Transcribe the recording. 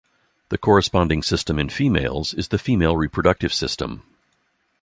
The corresponding system in females is the female reproductive system.